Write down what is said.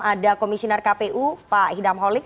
ada komisioner kpu pak hidam holik